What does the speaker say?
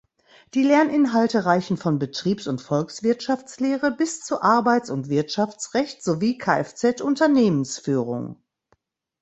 Die Lerninhalte reichen von Betriebs- und Volkswirtschaftslehre bis zu Arbeits- und Wirtschaftsrecht sowie Kfz-Unternehmensführung.